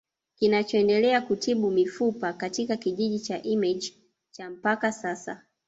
Kinachoendelea kutibu mifupa katika kijiji cha Image cha mpaka sasa